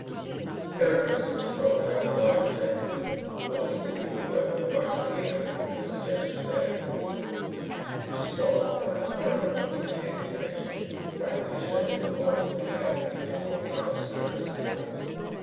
The therapist strolled down the line of tables, pausing to give a word of advice here, and a suggestion there. She stopped behind a frowning, intense patient, rapidly shaping blobs of clay into odd sized strips and forms.